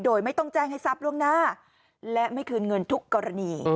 โดยไม่ต้องแจ้งให้ทรัพย์ล่วงหน้าและไม่คืนเงินทุกกรณี